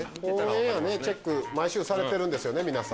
オンエアチェック毎週されてるんですよね。